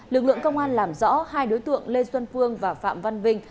lực lượng công an làm rõ hai đối tượng lê xuân phương và phạm văn vinh